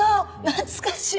懐かしい。